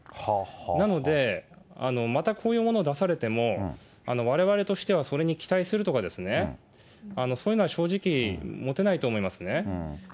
なので、またこういうものを出されても、われわれとしてはそれに期待するとかですね、そういうのは正直、持てないと思いますね。